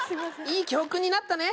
いい教訓になったね